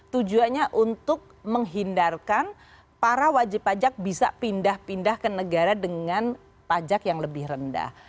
tujuannya untuk menghindarkan para wajib pajak bisa pindah pindah ke negara dengan pajak yang lebih rendah